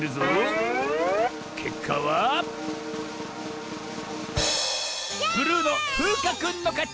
けっかはブルーのふうかくんのかち！